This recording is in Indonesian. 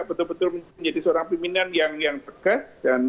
betul betul menjadi seorang pimpinan yang tegas